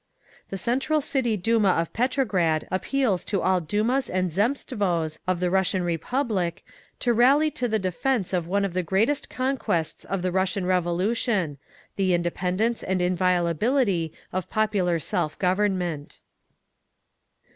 "The Central City Duma of Petrograd appeals to all Dumas and Zemstvos of the Russian Republic to rally to the defence of one of the greatest conquests of the Russian Revolution—the independence and inviolability of popular self government."